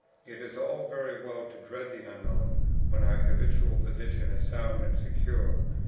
It is all very well to dread the unknown when our habitual position is sound and secure.